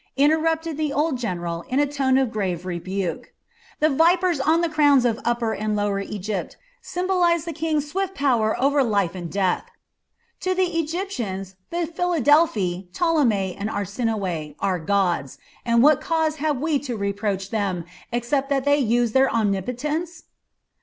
interrupted the old general in a tone of grave rebuke. "The vipers on the crowns of Upper and Lower Egypt symbolize the King's swift power over life and death. To the Egyptians the Philadelphi, Ptolemy and Arsinoe, are gods, and what cause have we to reproach them except that they use their omnipotence?"